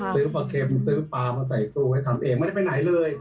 ซื้อปลาเข็มซื้อปลาไปใส่ตู้ให้ทำเองไม่ได้ไปไหนเลย